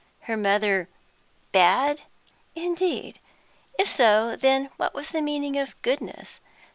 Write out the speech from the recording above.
Her mother "bad," indeed! If so, then what was the meaning of goodness?